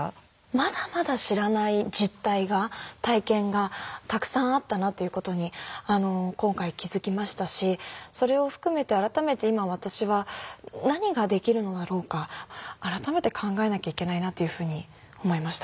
まだまだ知らない実態が体験がたくさんあったなっていうことに今回気付きましたしそれを含めて改めて今私は何ができるのだろうか改めて考えなきゃいけないなというふうに思いました。